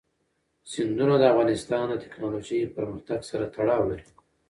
سیندونه د افغانستان د تکنالوژۍ پرمختګ سره تړاو لري.